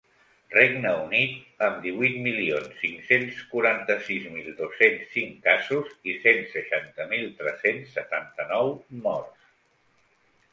Regne Unit, amb divuit milions cinc-cents quaranta-sis mil dos-cents cinc casos i cent seixanta mil tres-cents setanta-nou morts.